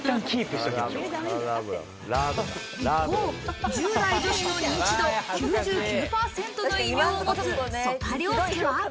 一方、１０代女子の認知度９９％の異名を持つ曽田陵介は。